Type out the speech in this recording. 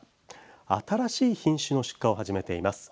新しい品種の出荷を始めています。